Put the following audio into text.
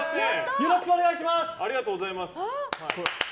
よろしくお願いします！